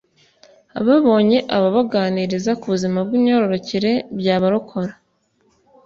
babonye ababaganiriza ku buzima bw'imyororokere byabarokora